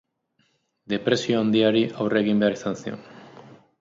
Depresio handiari aurre egin behar izan zion.